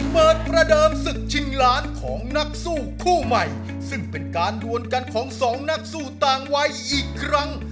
ประเดิมศึกชิงล้านของนักสู้คู่ใหม่ซึ่งเป็นการดวนกันของสองนักสู้ต่างวัยอีกครั้ง